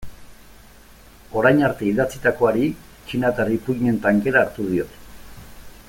Orain arte idatzitakoari txinatar ipuin-en tankera hartu diot.